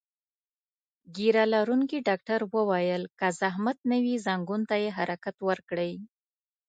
ږیره لرونکي ډاکټر وویل: که زحمت نه وي، ځنګون ته یې حرکت ورکړئ.